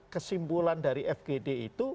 kesimpulan dari fgd itu